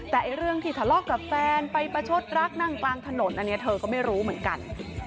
แต่เรื่องที่ทะเลาะกับแฟนไปประชดรักนั่งกลางถนนอันนี้เธอก็ไม่รู้เหมือนกัน